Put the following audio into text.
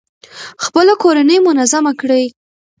خپله کورنۍ منظمه کړئ.